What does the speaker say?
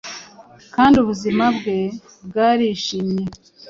kandi ubuzima bwe bwarishimye